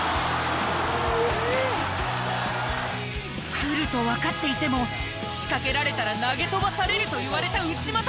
来るとわかっていても仕掛けられたら投げ飛ばされるといわれた内股。